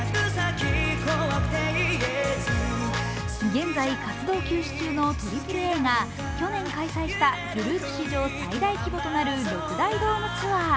現在、活動休止中のＡＡＡが去年開催したグループ史上最大規模となる６大ドームツアー。